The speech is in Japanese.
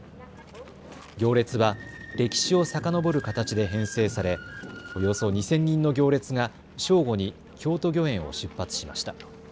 行列は歴史をさかのぼる形で編成され、およそ２０００人の行列が正午に京都御苑を出発しました。